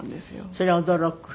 それは驚く。